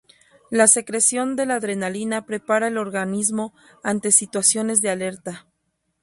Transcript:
La secreción de la adrenalina prepara el organismo ante situaciones de alerta.